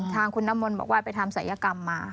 ทางคุณน้ำมนต์บอกว่าไปทำศัยกรรมมา